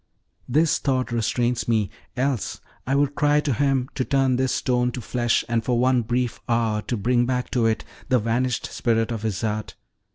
This thought restrains me; else I would cry to Him to turn this stone to flesh, and for one brief hour to bring back to it the vanished spirit of Isarte.